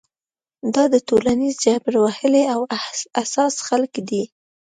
دا د ټولنیز جبر وهلي او حساس خلک دي.